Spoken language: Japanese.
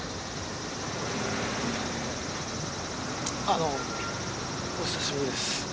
あのお久しぶりです。